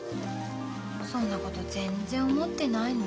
そんなこと全然思ってないのに。